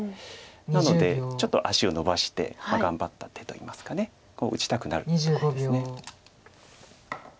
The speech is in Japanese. なのでちょっと足をのばして頑張った手といいますか打ちたくなるところです。